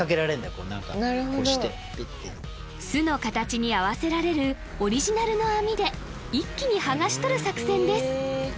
こう何かこうしてピッて巣の形に合わせられるオリジナルの網で一気に剥がし取る作戦です